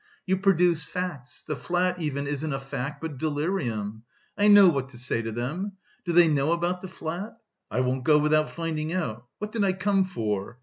You produce facts! The flat even isn't a fact but delirium. I know what to say to them.... Do they know about the flat? I won't go without finding out. What did I come for?